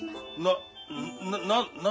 ななな何。